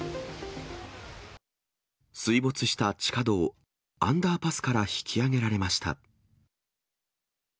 水没した地下道・アンダーパスから引き上げられました。